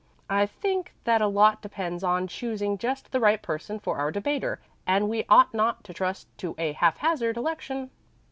I think that a lot depends on choosing just the right person for our debater, and we ought not to trust to a haphazard election."